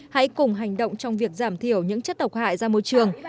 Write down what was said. hãy cùng hành động trong việc giảm thiểu những chất độc hại ra môi trường